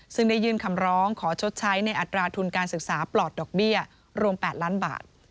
ซึ่งได้ยื่นคำร้องขอชดใช้ในอัตราทุนการศึกษาปลอดดอกเบี้ยรวม๘ล้านบาท